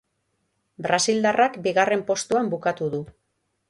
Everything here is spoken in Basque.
Brasildarrak bigarren postuan bukatu du.